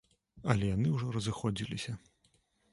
Але яны ўжо разыходзіліся.